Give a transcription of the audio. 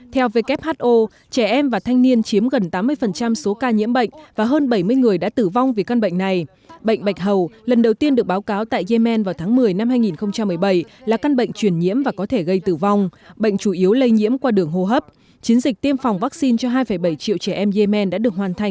theo who trẻ em và thanh niên chiếm bệnh bạch hầu sẽ có thể đối mặt với nguy cơ bùng phát trở lại của dịch tả